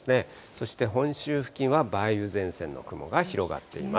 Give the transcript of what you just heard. そして本州付近は梅雨前線の雲が広がっています。